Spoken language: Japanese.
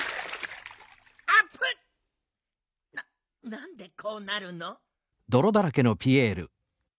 なんでこうなるの。